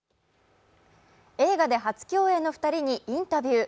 映画で初共演の２人にインタビュー。